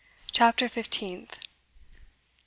CHAPTER FIFTEENTH.